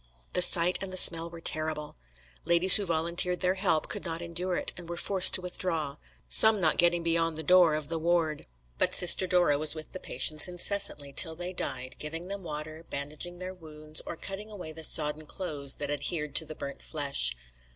The sight and the smell were terrible. Ladies who volunteered their help could not endure it, and were forced to withdraw, some not getting beyond the door of the ward. But Sister Dora was with the patients incessantly till they died, giving them water, bandaging their wounds, or cutting away the sodden clothes that adhered to the burnt flesh.